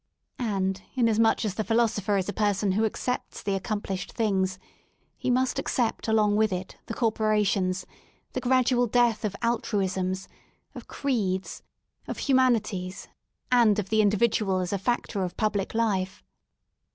And, inasmuch as the Philosopher is a person who accepts the accomplished things, he must accept along with it the Corporations, the gradual death of altruisms, of creeds, of humanities and of the individual as a factor of public life.